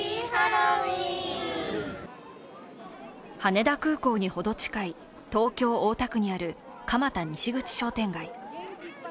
羽田空港にほど近い東京・大田区にある蒲田西口商店街。